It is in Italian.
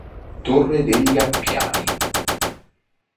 Torre degli Appiani